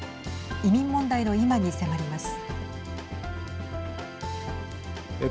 移民問題の今に迫ります。